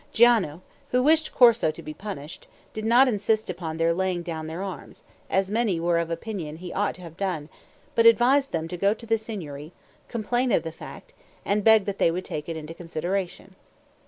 Giano, who wished Corso to be punished, did not insist upon their laying down their arms, as many were of opinion he ought to have done, but advised them to go to the Signory, complain of the fact, and beg that they would take it into consideration.